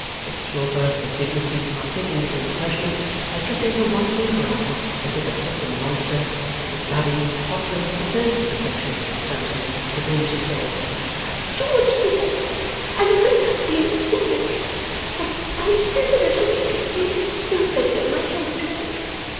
Mrs Wilfer with dignity partaking of the refreshments, by kissing her once on the brow (as if accepting an oyster), Miss Lavvy, tottering, returned to the protection of Mr Sampson; to whom she said, 'George dear, I am afraid I have been foolish; but I am still a little weak and giddy; don't let go my hand, George!